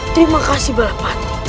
terima kasih balapati